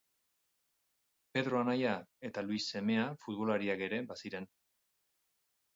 Pedro anaia eta Luis semea futbolariak ere baziren.